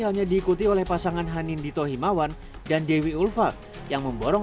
hanya diikuti oleh pasangan hanin dito himawan dan dewi ulfat yang memborong